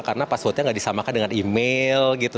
karena passwordnya nggak disamakan dengan email gitu